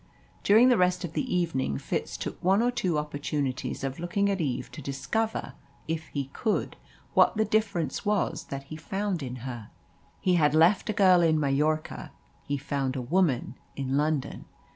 During the rest of the evening Fitz took one or two opportunities of looking at Eve to discover, if he could, what the difference was that he found in her. He had left a girl in Majorca he found a woman in London.